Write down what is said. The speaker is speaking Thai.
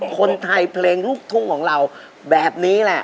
คนไทยเพลงลูกทุ่งของเราแบบนี้แหละ